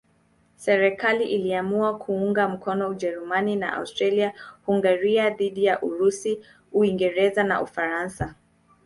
Serikali iliamua kuunga mkono Ujerumani na Austria-Hungaria dhidi ya Urusi, Uingereza na Ufaransa.